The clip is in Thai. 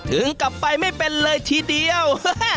ถึงกลับไปไม่เป็นเลยทีเดียว